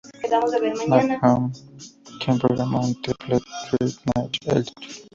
McMahon, quien programó un "Triple Threat match" el título.